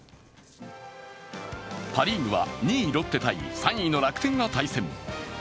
パ・リーグは２位ロッテ×３位楽天が対戦。